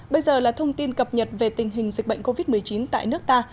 bây giờ là thông tin cập nhật về tình hình dịch bệnh covid một mươi chín tại nước ta